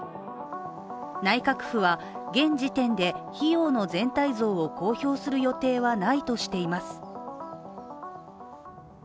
内閣府は、現時点で費用の全体像を公表する予定はないとしています。